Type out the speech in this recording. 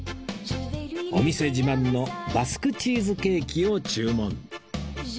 お店自慢のバスクチーズケーキを注文